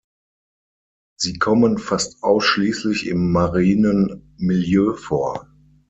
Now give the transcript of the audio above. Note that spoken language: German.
Sie kommen fast ausschließlich im marinen Milieu vor.